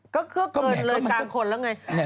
ก็เกิดเลยกลางคนแล้วไง